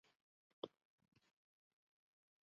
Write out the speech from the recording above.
他人可称总督为督宪阁下。